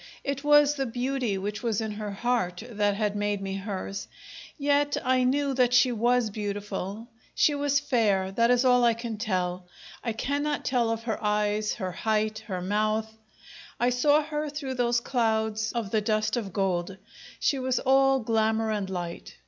It was the beauty which was in her heart that had made me hers; yet I knew that she was beautiful. She was fair, that is all I can tell. I cannot tell of her eyes, her height, her mouth; I saw her through those clouds of the dust of gold she was all glamour and light.